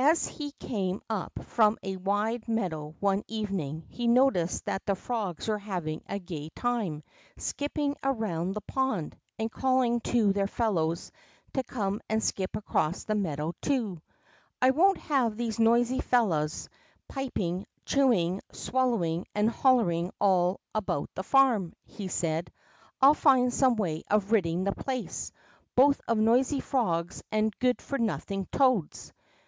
As he came np from a wide meadow one even ing, he noticed that the frogs were having a gay time skipping around the pond, and calling to their fellows to come and skip across the meadow too. I won't have these noisy fellows, piping, chew ing, swallowing, and hollering all about the farnij" 78 }VHAT THE FROGS TAUGHT 79 he said, I'll find some way of ridding the place, both of noisy frogs and good for nothing toads."